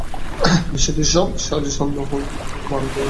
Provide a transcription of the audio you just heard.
বিষয়টি সাজানো এবং সন্দেহ হওয়ায় মামুন হোসেনকে রেখে আমরা চলে যাই।